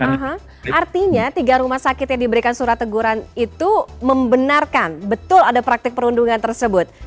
artinya tiga rumah sakit yang diberikan surat teguran itu membenarkan betul ada praktik perundungan tersebut